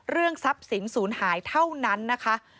เรื่องทรัพย์สินศูนย์หายเท่านั้นนะคะ